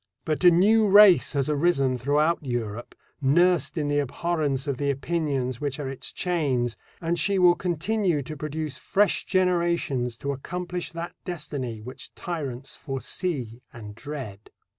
But a new race has arisen throughout Europe, nursed in the abhorrence of the opinions which are its chains, and she will continue to produce fresh generations to accomplish that destiny which tyrants foresee and dread.